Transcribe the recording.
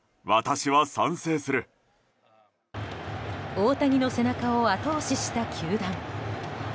大谷の背中を後押しした球団。